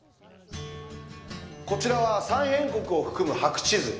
こちらは「三辺国」を含む白地図。